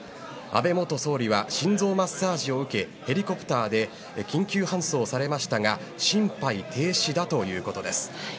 安倍元総理は心臓マッサージを受けヘリコプターで緊急搬送されましたが心肺停止だということです。